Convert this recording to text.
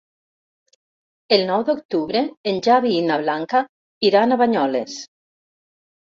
El nou d'octubre en Xavi i na Blanca iran a Banyoles.